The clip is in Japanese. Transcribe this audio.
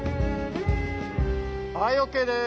はいＯＫです。